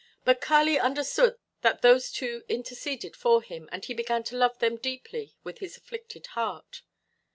But Kali understood that those two interceded for him, and he began to love them deeply with his afflicted heart.